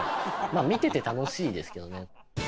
まあ、見てて楽しいですけどね。